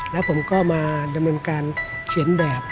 แล้วผมก็มาดำเนินการเขียนแบบ